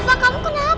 kak ada tuan rima